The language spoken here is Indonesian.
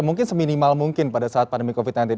mungkin seminimal mungkin pada saat pandemi covid sembilan belas